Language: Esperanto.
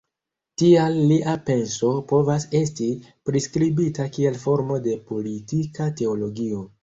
Tial lia penso povas esti priskribita kiel formo de politika teologio.